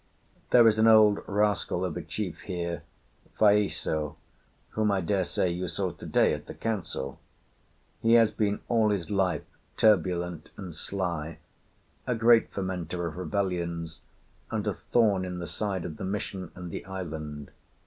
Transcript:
There is an old rascal of a chief here, Faiaso, whom I dare say you saw to day at the council; he has been all his life turbulent and sly, a great fomenter of rebellions, and a thorn in the side of the mission and the island.